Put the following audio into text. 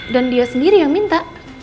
dan dia sendiri yang minta